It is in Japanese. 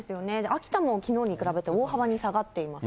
秋田もきのうに比べて大幅に下がっています。